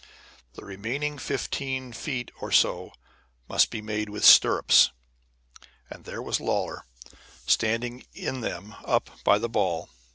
The remaining fifteen feet or so must be made with stirrups. And there was Lawlor standing in them up by the ball.